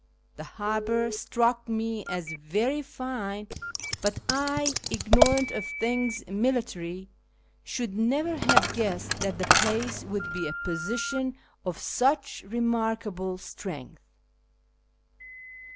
The harbour struck me as very fine, but I, ignorant of things military, should never have guessed that the place would be a position of such remarkable strength.